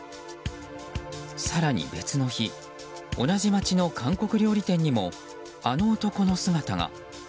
更に別の日、同じ街の韓国料理店にも、あの男の姿が。